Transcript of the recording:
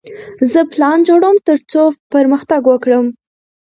زه پلان جوړوم ترڅو پرمختګ وکړم.